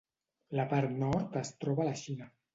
La part nord es troba a la Xina.